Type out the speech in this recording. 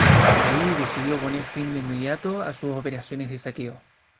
Jalid decidió poner fin de inmediato a sus operaciones de saqueo.